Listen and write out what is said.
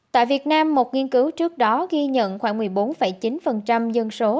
tại việt nam một nghiên cứu trước đó ghi nhận khoảng một mươi bốn chín dân số